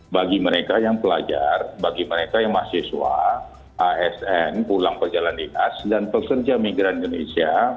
bagi mereka yang pelajar bagi mereka yang mahasiswa asn pulang pejalan dinas dan pekerja migran indonesia